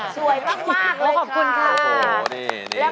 สวยมากเลยค่ะ